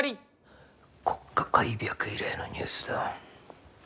国家開闢以来のニュースだ。